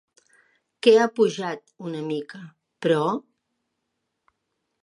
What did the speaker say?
Què ha pujat una mica, però?